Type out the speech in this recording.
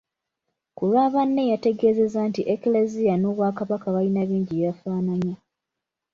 Ku lwa banne yategeezezza nti Eklezia n'Obwakabaka balina bingi bye bafaananya.